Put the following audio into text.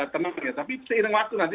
tenang ya tapi seiring waktu nanti